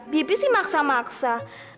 bibik sih maksa maksa